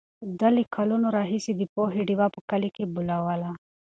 ده له کلونو راهیسې د پوهې ډېوه په کلي کې بلوله.